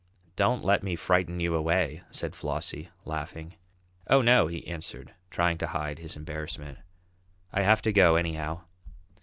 "Don't let me frighten you away," said Flossie, laughing. "Oh, no," he answered, trying to hide his embarrassment, "I have to go anyhow."